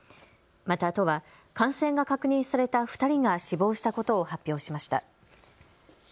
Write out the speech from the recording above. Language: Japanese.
また都は感染が確認された２人が死亡したことを発表しました。